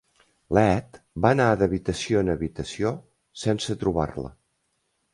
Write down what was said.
L'Ed va anar d'habitació en habitació sense trobar-la.